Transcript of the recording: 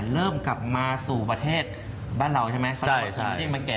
เริ่มกลับมาสู่ประเทศบ้านเราใช่ไหมครับ